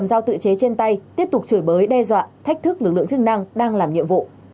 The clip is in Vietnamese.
giao tự chế trên tay tiếp tục chửi bới đe dọa thách thức lực lượng chức năng đang làm nhiệm vụ